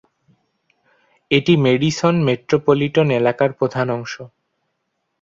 এটি Madison metropolitan এলাকার প্রধান অংশ।